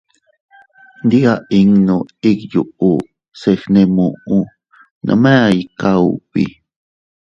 Ndi a innu iyuu se gne muʼu, nome a ikaa ubi.